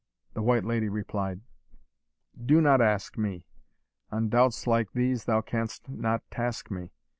The White Lady replied, "Do not ask me; On doubts like these thou canst not task me.